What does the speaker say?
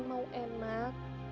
mau kete mau enak